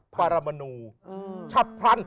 ปรมนูชับพรรณ